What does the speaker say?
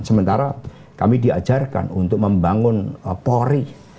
sementara kami diajarkan untuk membangun polri